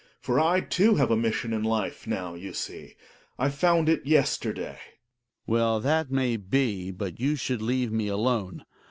For I, too, have a mission in life now, you see; I found it, yesterday, t fTt3cl^T i Hjalmar. Well, that may be; but you should leave me alone.